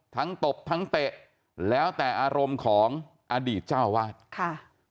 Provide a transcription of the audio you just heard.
ตบทั้งเตะแล้วแต่อารมณ์ของอดีตเจ้าวาดค่ะ